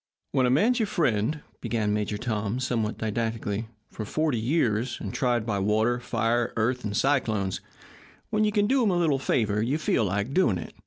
"When a man's your friend," began Major Tom, somewhat didactically, "for forty years, and tried by water, fire, earth, and cyclones, when you can do him a little favour you feel like doing it."